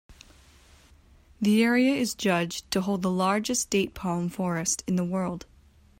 The area is judged to hold the largest date palm forest in the world.